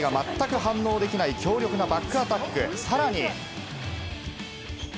相手がまったく反応できない強力なバックアタック。